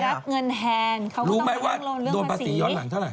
เขาก็ต้องรับเงินเรื่องภาษีรู้ไหมว่าโดนประสิทธิ์ย้อนหลังเท่าไหร่